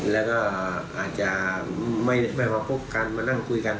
แล้วก็อาจจะไม่มาพบกันมานั่งคุยกัน